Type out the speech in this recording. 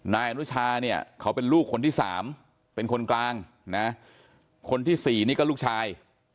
นายอนุชาเนี่ยเขาเป็นลูกคนที่สามเป็นคนกลางนะคนที่สี่นี่ก็ลูกชาย